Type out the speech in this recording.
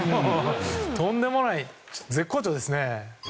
とんでもない、絶好調ですね。